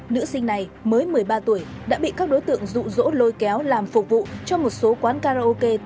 nữ sinh này mới một mươi ba tuổi đã bị các đối tượng rụ rỗ lôi kéo làm phục vụ cho một số quán karaoke